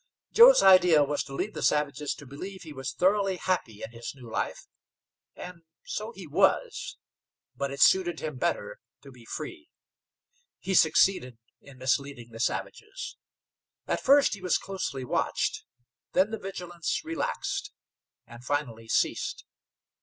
Joe's idea was to lead the savages to believe he was thoroughly happy in his new life, and so he was, but it suited him better to be free. He succeeded in misleading the savages. At first he was closely watched, the the vigilance relaxed, and finally ceased.